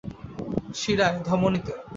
শিরায়, ধমনীতে।